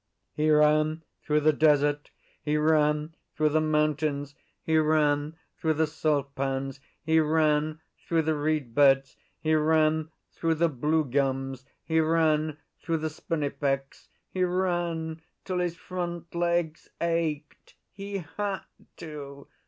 He ran through the desert; he ran through the mountains; he ran through the salt pans; he ran through the reed beds; he ran through the blue gums; he ran through the spinifex; he ran till his front legs ached. He had to!